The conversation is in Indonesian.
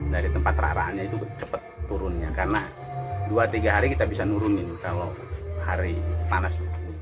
dari tempat raraannya itu cepat turunnya karena dua tiga hari kita bisa nurunin kalau hari panas